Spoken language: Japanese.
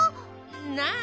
なあ。